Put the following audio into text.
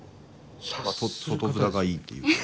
外面がいいっていうかね。